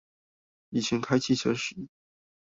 以前開汽車時